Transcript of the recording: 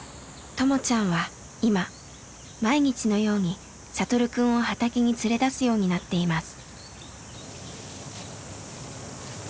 ともちゃんは今毎日のように聖くんを畑に連れ出すようになっています。